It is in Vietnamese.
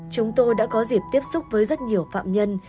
chúng tôi đã có dịp tiếp xúc với rất nhiều phạm nhân